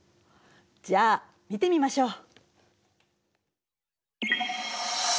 じゃあ見てみましょう。